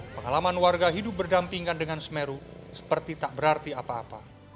pengalaman warga hidup berdampingan dengan semeru seperti tak berarti apa apa